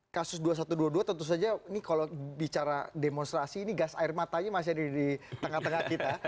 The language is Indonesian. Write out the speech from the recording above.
kasus dua ribu satu ratus dua puluh dua tentu saja ini kalau bicara demonstrasi ini gas air matanya masih ada di tengah tengah kita